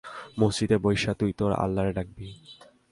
মসজিদে বইস্যা তুই তোর আল্লাহরে ডাকবি।